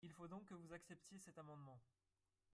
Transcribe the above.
Il faut donc que vous acceptiez cet amendement